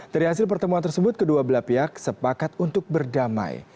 dari hasil pertemuan tersebut kedua belah pihak sepakat untuk berdamai